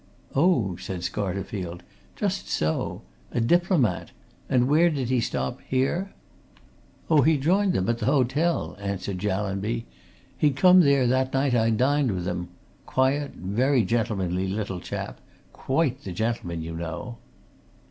"Oh!" said Scarterfield. "Just so! A diplomat. And where did he stop here?" "Oh, he joined them at the hotel," answered Jallanby. "He'd come there that night I dined with them. Quiet, very gentlemanly little chap quite the gentleman, you know."